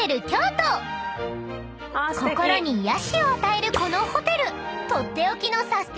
［心に癒やしを与えるこのホテル取って置きの］え！